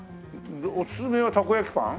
おすすめはたこ焼きパン？